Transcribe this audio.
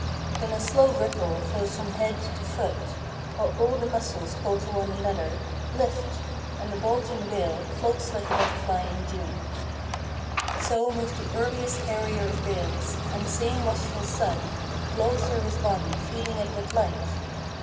Then a slow ripple flows along the body, While all the muscles call to one another :" Lift !" and the bulging bale Floats like a butterfly in June. So moved the earliest carrier of bales, And the same watchful sun Glowed through his body feeding it with light.